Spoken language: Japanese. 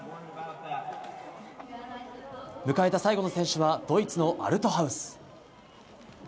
迎えた最後の選手はドイツのアルトハウス。